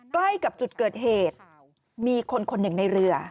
ใกล้กับจุดเกิดเหตุมีคนคนหนึ่งในเรือ